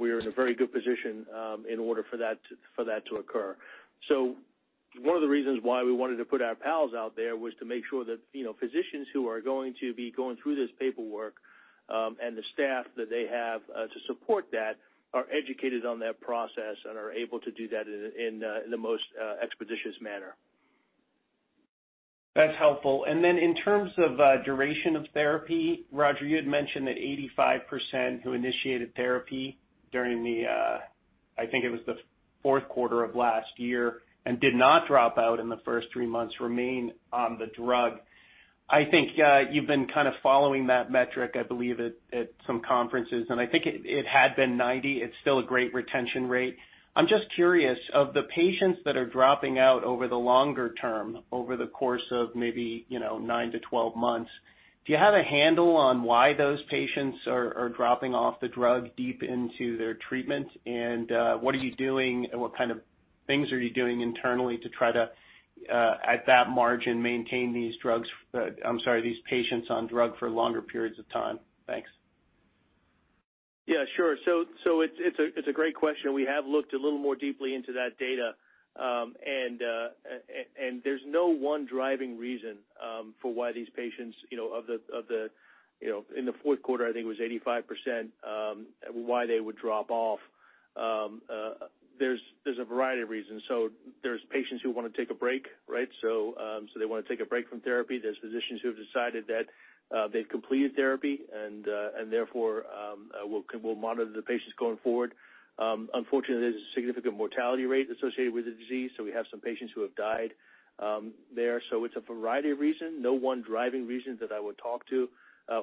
S4: We're in a very good position in order for that to occur. One of the reasons why we wanted to put our PALs out there was to make sure that physicians who are going to be going through this paperwork, and the staff that they have to support that, are educated on that process and are able to do that in the most expeditious manner.
S11: That's helpful. Then in terms of duration of therapy, Roger, you had mentioned that 85% who initiated therapy during the, I think it was the fourth quarter of last year, and did not drop out in the first 3 months, remain on the drug. I think you've been kind of following that metric, I believe at some conferences, and I think it had been 90%. It's still a great retention rate. I'm just curious, of the patients that are dropping out over the longer term, over the course of maybe, 9-12 months, do you have a handle on why those patients are dropping off the drug deep into their treatment? What are you doing, and what kind of things are you doing internally to try to, at that margin, maintain these patients on drug for longer periods of time? Thanks.
S4: Yeah, sure. It's a great question, and we have looked a little more deeply into that data. There's no one driving reason for why these patients, in the fourth quarter, I think it was 85%, why they would drop off. There's a variety of reasons. There's patients who want to take a break, right? They want to take a break from therapy. There's physicians who have decided that they've completed therapy and therefore will monitor the patients going forward. Unfortunately, there's a significant mortality rate associated with the disease, so we have some patients who have died there. It's a variety of reasons, no one driving reason that I would talk to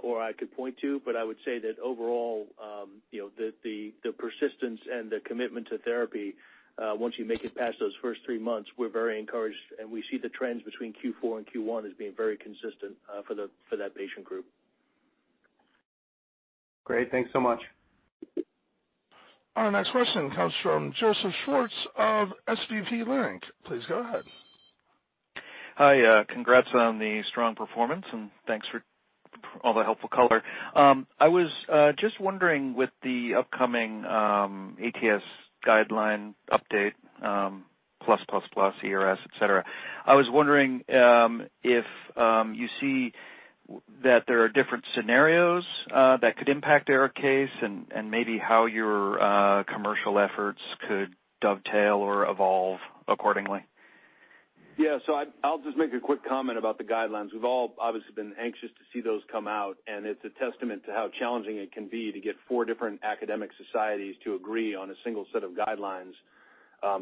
S4: or I could point to, but I would say that overall the persistence and the commitment to therapy, once you make it past those first three months, we're very encouraged, and we see the trends between Q4 and Q1 as being very consistent for that patient group.
S11: Great. Thanks so much.
S1: Our next question comes from Joseph Schwartz of SVB Leerink. Please go ahead.
S12: Hi, congrats on the strong performance, and thanks for all the helpful color. I was just wondering with the upcoming ATS guideline update, plus ERS, et cetera. I was wondering if you see that there are different scenarios that could impact Arikayce and maybe how your commercial efforts could dovetail or evolve accordingly.
S3: Yeah. I'll just make a quick comment about the guidelines. We've all obviously been anxious to see those come out, and it's a testament to how challenging it can be to get four different academic societies to agree on a single set of guidelines,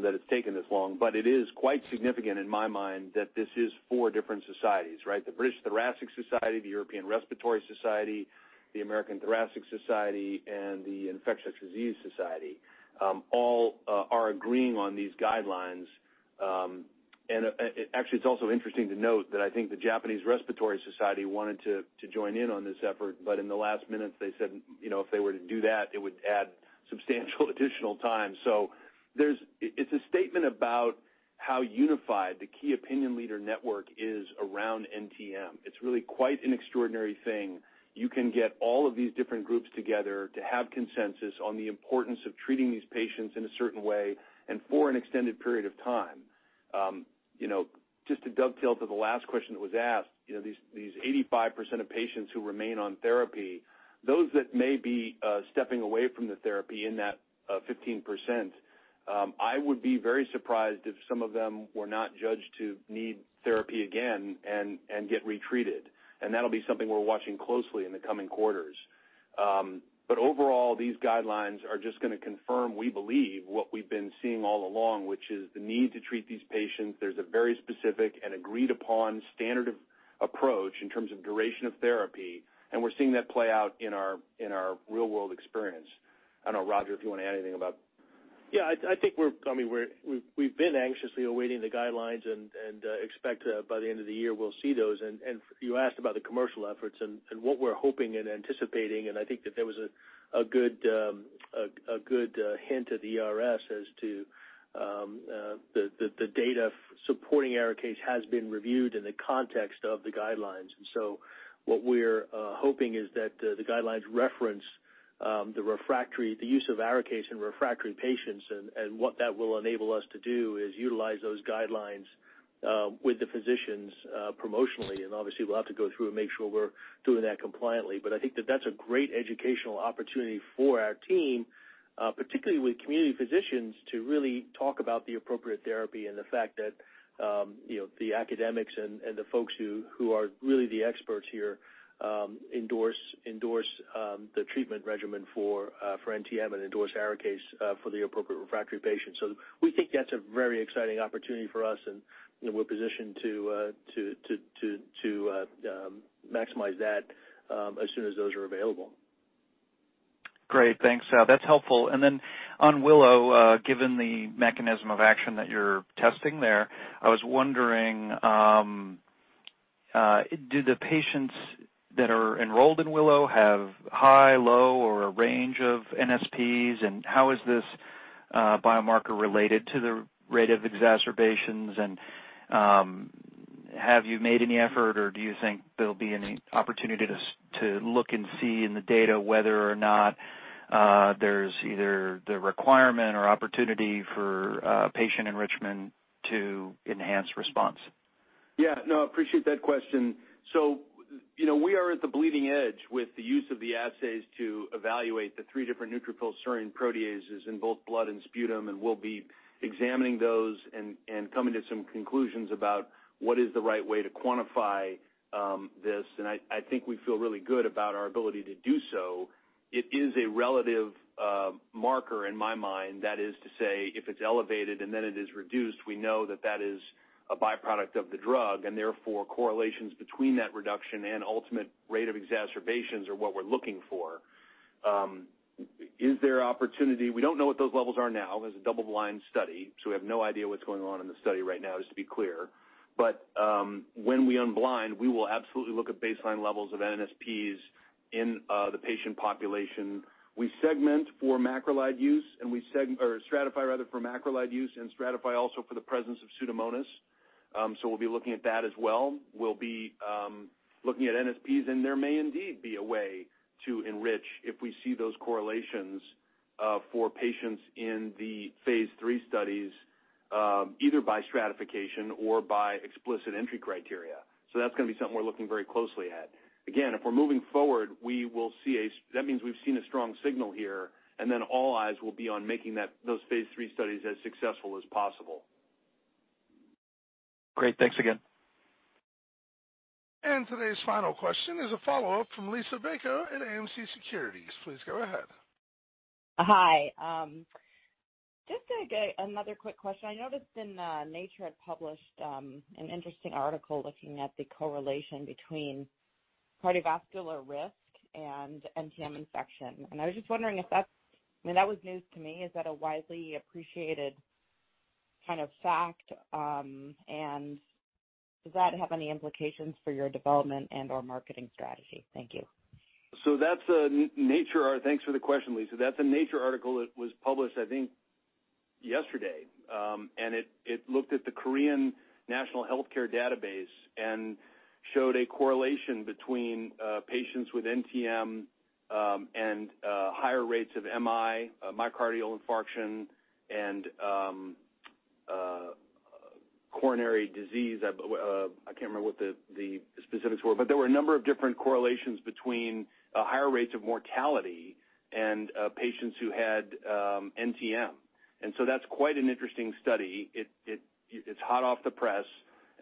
S3: that it's taken this long. It is quite significant in my mind that this is four different societies, right? The British Thoracic Society, the European Respiratory Society, the American Thoracic Society, and the Infectious Diseases Society, all are agreeing on these guidelines. Actually, it's also interesting to note that I think the Japanese Respiratory Society wanted to join in on this effort, but in the last minute, they said if they were to do that, it would add substantial additional time. It's a statement about how unified the key opinion leader network is around NTM. It's really quite an extraordinary thing.
S4: You can get all of these different groups together to have consensus on the importance of treating these patients in a certain way and for an extended period of time. Just to dovetail to the last question that was asked, these 85% of patients who remain on therapy, those that may be stepping away from the therapy in that 15%, I would be very surprised if some of them were not judged to need therapy again and get retreated. That'll be something we're watching closely in the coming quarters. Overall, these guidelines are just going to confirm, we believe, what we've been seeing all along, which is the need to treat these patients. There's a very specific and agreed upon standard approach in terms of duration of therapy, and we're seeing that play out in our real world experience.
S3: I don't know, Roger, if you want to add anything about.
S4: Yeah, I think we've been anxiously awaiting the guidelines and expect by the end of the year, we'll see those. You asked about the commercial efforts and what we're hoping and anticipating, I think that there was a good hint at the ERS as to the data supporting Arikayce has been reviewed in the context of the guidelines. What we're hoping is that the guidelines reference the use of Arikayce in refractory patients. What that will enable us to do is utilize those guidelines with the physicians promotionally. Obviously, we'll have to go through and make sure we're doing that compliantly. I think that that's a great educational opportunity for our team, particularly with community physicians, to really talk about the appropriate therapy and the fact that the academics and the folks who are really the experts here endorse the treatment regimen for NTM and endorse ARIKAYCE for the appropriate refractory patients. We think that's a very exciting opportunity for us, and we're positioned to maximize that as soon as those are available.
S12: Great. Thanks. That's helpful. Then on WILLOW, given the mechanism of action that you're testing there, I was wondering, do the patients that are enrolled in WILLOW have high, low, or a range of NSPs? How is this biomarker related to the rate of exacerbations? Have you made any effort, or do you think there'll be any opportunity to look and see in the data whether or not there's either the requirement or opportunity for patient enrichment to enhance response?
S3: Yeah, no, I appreciate that question. We are at the bleeding edge with the use of the assays to evaluate the three different Neutrophil Serine Proteases in both blood and sputum, and we'll be examining those and coming to some conclusions about what is the right way to quantify this. I think we feel really good about our ability to do so. It is a relative marker in my mind. That is to say, if it's elevated and then it is reduced, we know that that is a byproduct of the drug, and therefore, correlations between that reduction and ultimate rate of exacerbations are what we're looking for. Is there opportunity? We don't know what those levels are now. It's a double-blind study, so we have no idea what's going on in the study right now, just to be clear.
S4: When we unblind, we will absolutely look at baseline levels of NSPs in the patient population. We segment for macrolide use, or stratify rather for macrolide use and stratify also for the presence of Pseudomonas. We'll be looking at that as well. We'll be looking at NSPs, and there may indeed be a way to enrich if we see those correlations for patients in the phase III studies, either by stratification or by explicit entry criteria. That's going to be something we're looking very closely at. Again, if we're moving forward, that means we've seen a strong signal here, and then all eyes will be on making those phase III studies as successful as possible.
S12: Great. Thanks again.
S1: Today's final question is a follow-up from Lisa Baker at BofA Securities. Please go ahead.
S6: Hi. Just another quick question. I noticed Nature had published an interesting article looking at the correlation between cardiovascular risk and NTM infection. I was just wondering. I mean, that was news to me. Is that a widely appreciated kind of fact? Does that have any implications for your development and/or marketing strategy? Thank you.
S3: Thanks for the question, Lisa. That's a Nature article that was published, I think, yesterday. It looked at the Korean National Health Information Database and showed a correlation between patients with NTM and higher rates of MI, myocardial infarction, and coronary disease. I can't remember what the specifics were. There were a number of different correlations between higher rates of mortality and patients who had NTM. That's quite an interesting study. It's hot off the press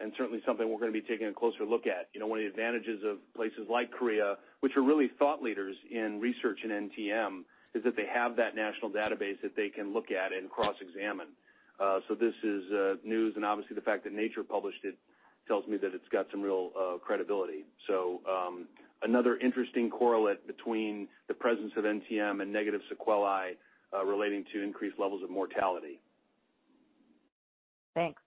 S3: and certainly something we're going to be taking a closer look at. One of the advantages of places like Korea, which are really thought leaders in research in NTM, is that they have that national database that they can look at and cross-examine. This is news, and obviously the fact that Nature published it tells me that it's got some real credibility.
S4: Another interesting correlate between the presence of NTM and negative sequelae relating to increased levels of mortality.
S6: Thanks.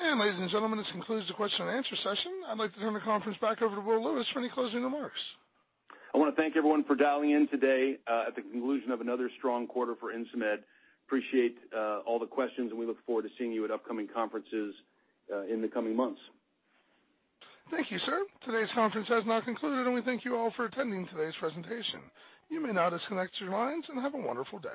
S1: Ladies and gentlemen, this concludes the question and answer session. I'd like to turn the conference back over to Will Lewis for any closing remarks.
S3: I want to thank everyone for dialing in today at the conclusion of another strong quarter for Insmed. I appreciate all the questions. We look forward to seeing you at upcoming conferences in the coming months.
S1: Thank you, sir. Today's conference has now concluded, and we thank you all for attending today's presentation. You may now disconnect your lines and have a wonderful day.